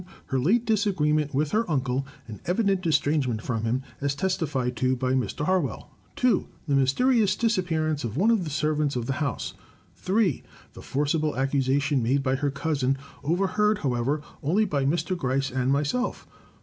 Her late disagreement with her unde, and evident estrange ment from him, as testified to by Mr. Harwell. 2. The mysterious disappearance of one of the servants of the house. * 3. The forcible accusation made by her cousin — overheard, how ever, only by Mr. Gryce and myself.